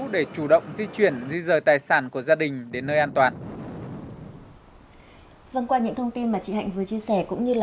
để chủ động di chuyển di rời tài sản của gia đình đến nơi an toàn